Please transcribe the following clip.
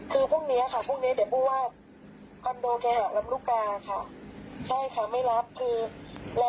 คือพรุ่งนี้ค่ะพรุ่งนี้เดี๋ยวพูดว่า